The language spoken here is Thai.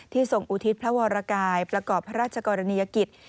ทรงอุทิศพระวรกายประกอบพระราชกรณียกิจ